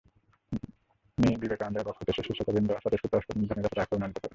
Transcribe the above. Me বিবেকানন্দের বক্তৃতার শেষে শ্রোতৃবৃন্দ স্বতঃস্ফূর্ত হর্ষধ্বনি দ্বারা তাঁহাকে অভিনন্দিত করেন।